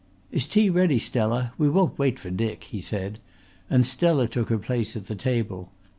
"Is tea ready, Stella? We won't wait for Dick," he said, and Stella took her place at the table.